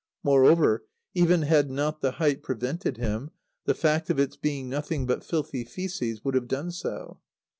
Moreover, even had not the height prevented him, the fact of its being nothing but filthy fœces would have done so.